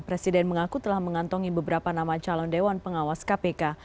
presiden mengaku telah mengantongi beberapa nama calon dewan pengawas kpk